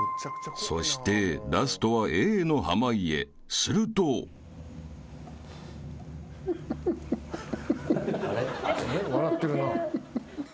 ［そしてラストはＡの濱家すると］笑ってるな。